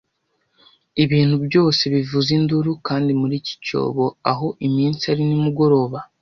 ibintu byose bivuza induru kandi muri iki cyobo aho iminsi ari nimugoroba